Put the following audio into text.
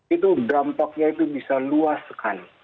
itu dampaknya itu bisa luas sekali